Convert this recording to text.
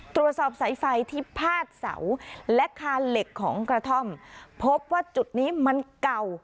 ตรวจสอบสายไฟที่พาดเสาและคานเหล็กของกระท่อมพบว่าจุดนี้มันเก่า